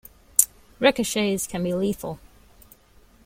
Ricochets can be lethal.